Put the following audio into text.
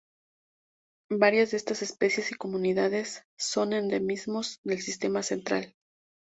Varias de estas especies y comunidades son endemismos del Sistema Central.